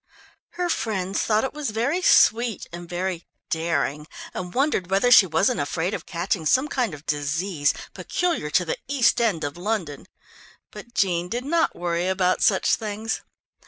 Her friends thought it was very "sweet" and very "daring," and wondered whether she wasn't afraid of catching some kind of disease peculiar to the East End of London. But Jean did not worry about such things.